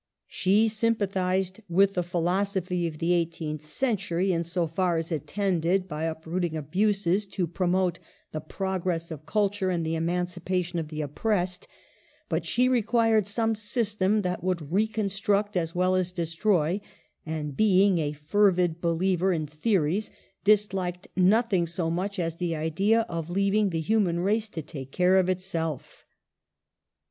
She sympathised with the philosophy of the eighteeth century in so far as it tended, by up rooting abuses, to promote the progress of cul ture and the emancipation of the oppressed, but she required some system that would reconstruct as well as destroy ; and being a fervid believer in theories, disliked nothing so much as the idea of leaving the human race to take care of itself.